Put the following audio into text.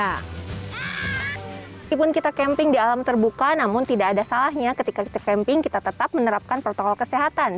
walaupun kita camping di alam terbuka namun tidak ada salahnya ketika kita camping kita tetap menerapkan protokol kesehatan